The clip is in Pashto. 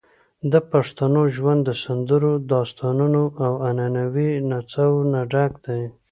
د پښتنو ژوند د سندرو، داستانونو، او عنعنوي نڅاوو نه ډک دی.